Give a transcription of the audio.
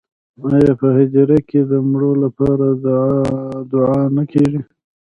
آیا په هدیره کې د مړو لپاره دعا نه کیږي؟